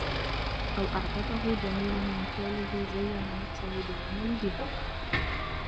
أَوْ أَعْجَبَهُ جَمِيلٌ مِنْ فِعْلِهِ زَيَّنَ نَفْسَهُ بِالْعَمَلِ بِهِ